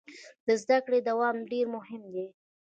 د زده کړې دوام ډیر مهم دی.